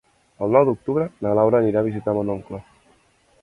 El nou d'octubre na Laura anirà a visitar mon oncle.